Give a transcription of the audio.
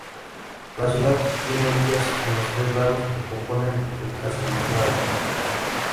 La ciudad tiene orillas en los tres lagos que componen el Kasumigaura.